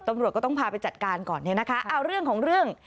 ตำรวจก็ต้องพาไปจัดการก่อนเนี่ยนะคะเอาเรื่องของเรื่อง